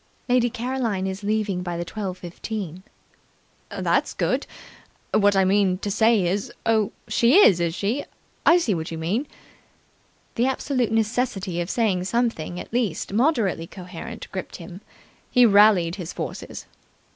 "Lady Caroline is leaving by the twelve fifteen." "That's good! What I mean to say is oh, she is, is she? I see what you mean." The absolute necessity of saying something at least moderately coherent gripped him. He rallied his forces.